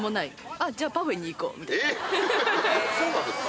えそうなんですか？